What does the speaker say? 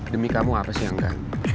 demi kamu apa sih angga